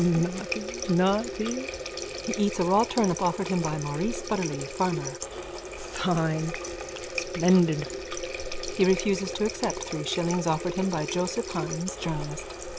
_ Ah, naughty, naughty! (He eats a raw turnip offered him by Maurice Butterly, farmer.) Fine! Splendid! _(He refuses to accept three shillings offered him by Joseph Hynes, journalist.)